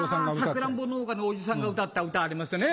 さくらんぼ農家のおじさんが歌った歌ありますね。